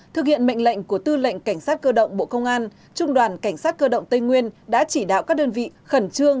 thực hiện mệnh lệnh của tư lệnh cảnh sát cơ động bộ công an trung đoàn cảnh sát cơ động tây nguyên đã chỉ đạo các đơn vị khẩn trương